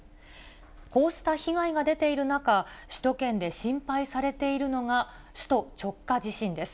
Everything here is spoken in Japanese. こうした被害が出ている中、首都圏で心配されているのが、首都直下地震です。